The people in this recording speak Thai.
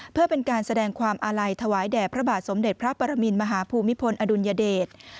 เพื่อเป็นการแสดงความอาลัยถวายแด่พระบาทสมเด็จพระปรมินมหาภูมิพลอดุลยเดช